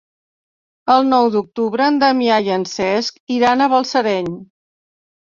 El nou d'octubre en Damià i en Cesc iran a Balsareny.